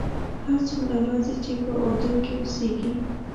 هر څومره ورځې چې په اردن کې اوسېږې.